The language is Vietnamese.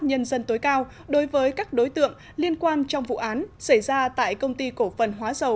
nhân dân tối cao đối với các đối tượng liên quan trong vụ án xảy ra tại công ty cổ phần hóa dầu